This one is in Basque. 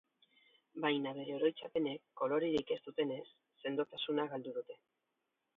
Baina bere oroitzapenek, kolorerik ez dutenez, sendotasuna galdu dute.